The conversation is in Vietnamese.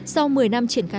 sau một mươi năm triển khai